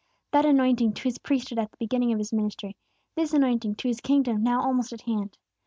That anointing, to His priesthood at the beginning of His ministry; this anointing, to His kingdom, now almost at hand.